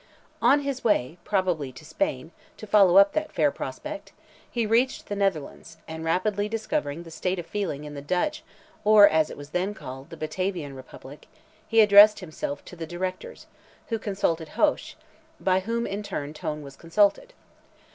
On his way, probably to Spain, to follow up that fair prospect, he reached the Netherlands, and rapidly discovering the state of feeling in the Dutch, or as it was then called, the Batavian republic, he addressed himself to the Directors, who consulted Hoche, by whom in turn Tone was consulted.